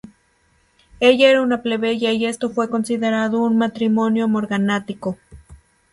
Ella era una plebeya y este fue considerado un matrimonio morganático.